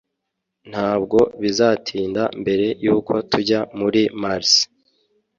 Ntabwo bizatinda mbere yuko tujya kuri Mars